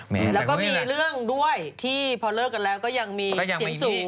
แล้วก็มีเรื่องด้วยที่พอเลิกกันแล้วก็ยังมีเสียงสูง